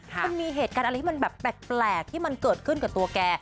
มันมีเหตุการณ์อะไรที่มันแบบแปลกที่มันเกิดขึ้นกับตัวแก